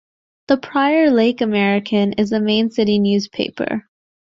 The "Prior Lake American" is the main city newspaper.